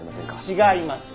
違います。